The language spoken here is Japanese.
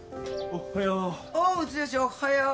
おはよう。